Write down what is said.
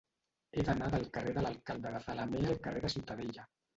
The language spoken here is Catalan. He d'anar del carrer de l'Alcalde de Zalamea al carrer de Ciutadella.